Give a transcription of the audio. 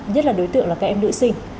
nhất là đối tượng là các em nữ sinh